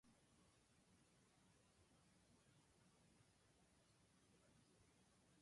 もう一個ちょうだい